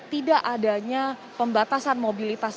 tidak adanya pembatasan mobilitas